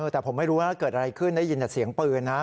แต่ผมไม่รู้ว่าเกิดอะไรขึ้นได้ยินแต่เสียงปืนนะ